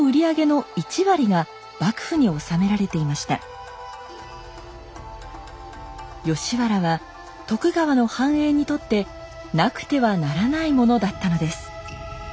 幕末の頃には吉原は徳川の繁栄にとってなくてはならないものだったのです。